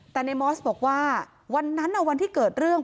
แต่ในมอสบอกว่าวันนั้นวันที่เกิดเรื่อง